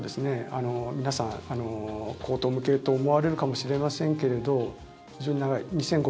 皆さん、荒唐無稽と思われるかもしれませんけれど非常に長い、２０５０年。